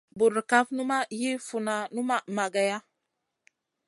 Burkaf numa yi funa numa mageya.